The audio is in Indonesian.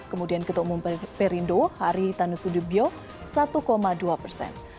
kemudian ketua umum perindo hari tanusudibyo satu dua persen